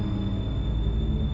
aku bisa sembuh